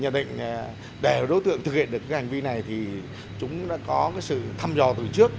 để đối tượng thực hiện được hành vi này chúng đã có sự thăm dò từ trước